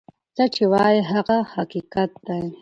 څه چی وای هغه حقیقت دی.